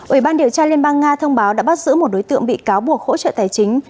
ủy ban điều tra liên bang nga thông báo đã bắt giữ một đối tượng bị cáo buộc hỗ trợ tài chính